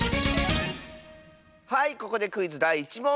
はいここでクイズだい１もん！